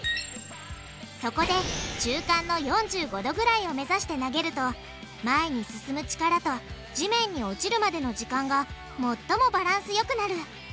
そこで中間の４５°ぐらいを目指して投げると前に進む力と地面に落ちるまでの時間が最もバランスよくなる。